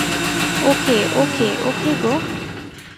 ও কে, ও কে, ও কে গো!